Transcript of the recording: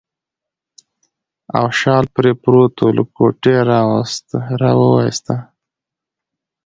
او شال پرې پروت و، له کوټې راوایسته.